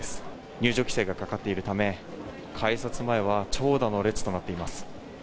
入場規制がかかっているため、改札前は長蛇の列となっています。